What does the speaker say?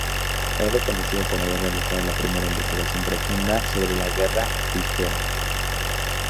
Es reconocido por haber realizado la primera investigación profunda sobre la Guerra Cristera.